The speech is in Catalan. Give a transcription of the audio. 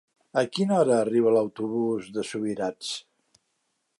A quina hora arriba l'autobús de Subirats?